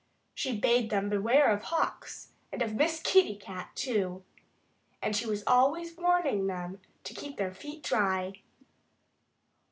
She bade them beware of hawks and of Miss Kitty Cat, too. And she was always warning them to keep their feet dry.